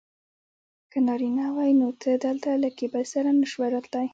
که نارینه وای نو ته دلته له کیبل سره نه شوای راتلای.